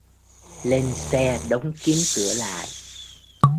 Lên xe đóng kín cửa lại